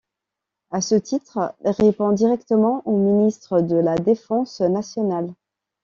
À ce titre, il répond directement au ministre de la Défense nationale.